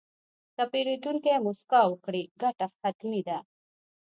که پیرودونکی موسکا وکړي، ګټه حتمي ده.